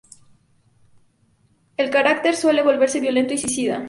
El carácter suele volverse violento y suicida.